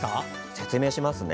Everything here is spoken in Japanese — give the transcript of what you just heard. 説明しますね。